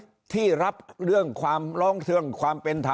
ที่รับเรื่องความร้องเรื่องความเป็นธรรม